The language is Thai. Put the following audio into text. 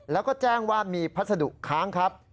แล้วก็แจ้งว่ามีพัสดุค้างครับ